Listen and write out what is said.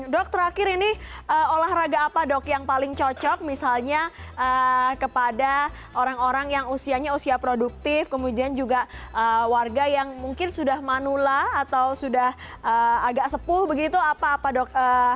dok terakhir ini olahraga apa dok yang paling cocok misalnya kepada orang orang yang usianya usia produktif kemudian juga warga yang mungkin sudah manula atau sudah agak sepuh begitu apa apa dok